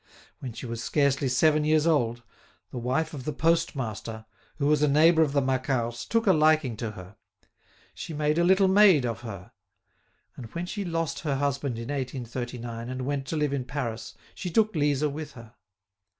When she was scarcely seven years old, the wife of the postmaster, who was a neighbour of the Macquarts, took a liking to her. She made a little maid of her. And when she lost her husband in 1839, and went to live in Paris, she took Lisa with her.